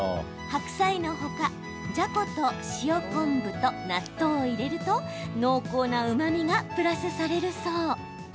白菜の他、じゃこと塩昆布と納豆を入れると濃厚なうまみがプラスされるそう。